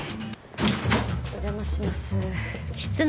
お邪魔します。